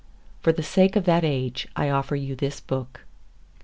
For the sake of that age I offer you this book.